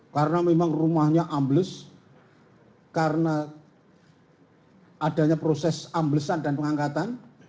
karena memang rumahnya ambles karena adanya proses amblesan dan pengangkatan